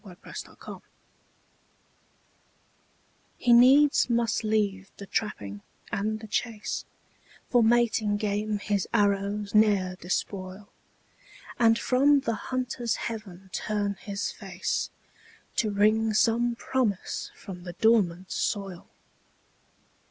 THE INDIAN CORN PLANTER He needs must leave the trapping and the chase, For mating game his arrows ne'er despoil, And from the hunter's heaven turn his face, To wring some promise from the dormant soil.